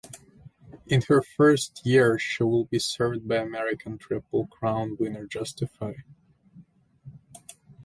In her first year she will be served by American Triple Crown winner Justify.